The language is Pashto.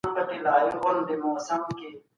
مځکه د ژوند لپاره تر ټولو غوره ځای دی.